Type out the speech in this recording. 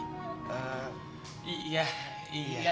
tapi mas antar gira kan